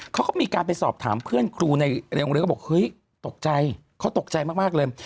เขาก็มีการไปสอบถามเพื่อนครูในโรงเรียนก็บอกเฮ้ยตกใจเขาตกใจมากเลย